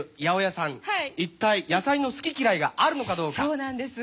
そうなんです。